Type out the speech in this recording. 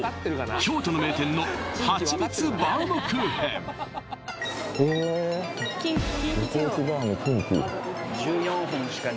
京都の名店のはちみつバウムクーヘンえ